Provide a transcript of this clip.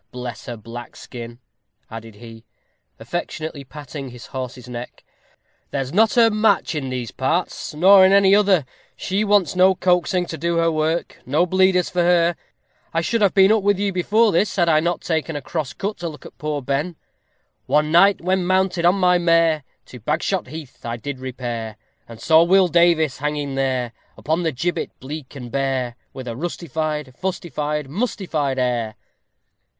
Bless her black skin," added he, affectionately patting his horse's neck, "there's not her match in these parts, or in any other; she wants no coaxing to do her work no bleeders for her. I should have been up with you before this had I not taken a cross cut to look at poor Ben. One night, when mounted on my mare. To Bagshot Heath I did repair, And saw Will Davies hanging there, Upon the gibbet bleak and bare, _With a rustified, fustified, mustified air.